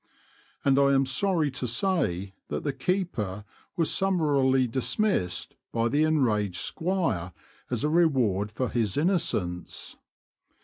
And I am sorry to say that the keeper was smnmarily dismissed by the enraged squire as a reward for his inno cence.